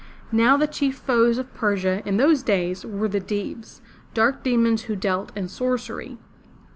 Now the chief foes of Persia, in those days, were the Deevs, dark demons who dealt in sorcery.